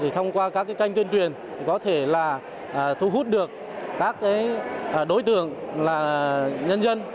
thông qua các canh tuyên truyền có thể thu hút được các đối tượng nhân dân